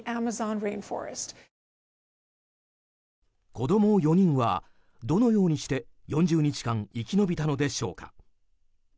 子供４人はどのようにして４０日間生き延びたのでしょうか。